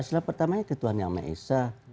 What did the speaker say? silah pertamanya ketuhanan yang ma'a'isa